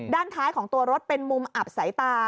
ด้านท้ายของตัวรถเป็นมุมอับสายตา